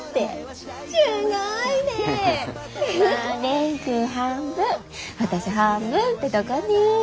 まあ蓮くん半分私半分ってとこね。